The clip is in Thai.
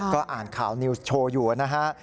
ก็อ่านข่าวนิวส์โชว์อยู่นะฮะ